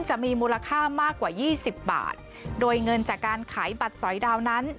จะมีมูลค่ามากกว่ายี่สิบบาทโดยเงินจากการขายบัตรสอยดาวนั้น